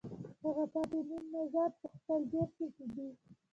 هغه پاتې نیم مزد په خپل جېب کې ږدي